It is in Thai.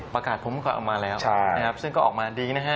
ประกาศปุงพวกออบการออกมาแล้วซึ่งก็ออกมาดีนะฮะ